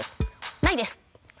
「ないです」。